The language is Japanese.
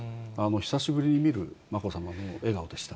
久しぶりに見るまこさまの笑顔でした。